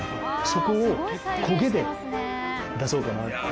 そこを焦げで出そうかなと。